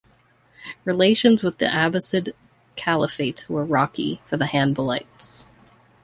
Relations with the Abbasid Caliphate were rocky for the Hanbalites.